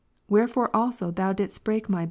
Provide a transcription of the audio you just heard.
Wherefore also Thou didst break my of.